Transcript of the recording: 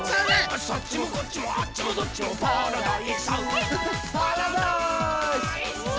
「そっちもこっちもあっちもどっちもパラダイス」「パラダイース」